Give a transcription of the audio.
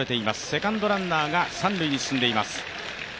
セカンドランナーが三塁に進んでいます。